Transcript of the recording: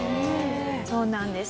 そうなんです。